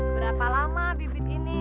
berapa lama bibit ini